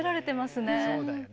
そうだよね。